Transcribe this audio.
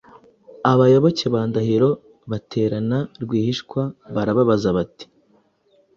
abayoboke ba Ndahiro baterana rwihishwa barabazanya bati “